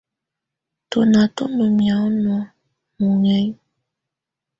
Tùnà tù ndù mianɔ̀á nɔ̀ muḥǝna.